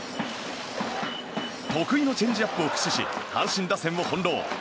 得意のチェンジアップを駆使し阪神打線を翻弄。